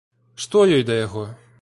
Што ёй да яго?